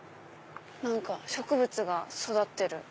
植物が育ってる。